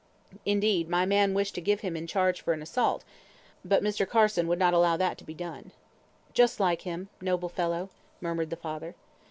Indeed, my man wished to give him in charge for an assault, but Mr. Carson would not allow that to be done." "Just like him! noble fellow!" murmured the father.